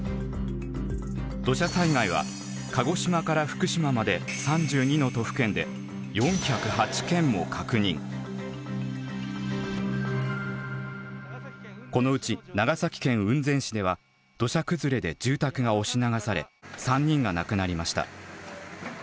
土砂災害は鹿児島から福島までこのうち長崎県雲仙市では土砂崩れで住宅が押し流され３人が亡くなりました。